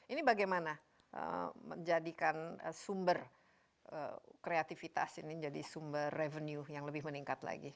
ini bagaimana menjadikan sumber kreativitas ini jadi sumber revenue yang lebih meningkat lagi